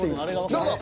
どうぞ。